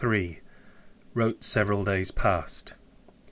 Wrote several days past.